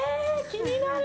気になる！